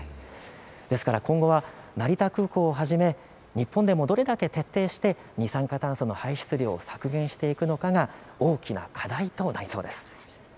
今後は成田空港をはじめ日本でもどれだけ徹底して二酸化炭素の排出量を削減していくのかが大きな課題となりそうです。